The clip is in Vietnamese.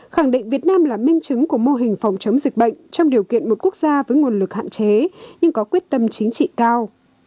khẳng định việt nam là minh chứng của mô hình phòng chống dịch bệnh trong điều kiện một quốc gia với nguồn lực hạn chế nhưng có quyết tâm chính trị cao